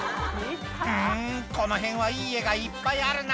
「ふんこの辺はいい家がいっぱいあるな」